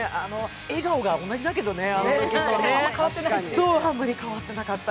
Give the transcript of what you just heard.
笑顔が同じだけどね、あのときとねそう、あんまり変わってなかった。